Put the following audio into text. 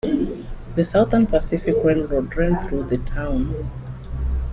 The Southern Pacific Railroad ran through the town.